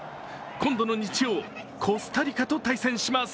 今度の日曜コスタリカと対戦します。